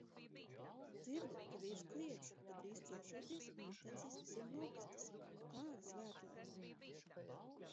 Dzirdu, ka vīrs kliedz, ka drīz celšoties un uztaisīs visiem brokastis. Kāda svētlaime!